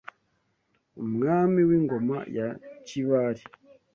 Umwami w’Ingoma ya Kibali